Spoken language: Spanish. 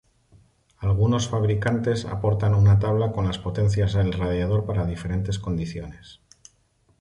Algunos fabricantes aportan una tabla con las potencias del radiador para diferentes condiciones.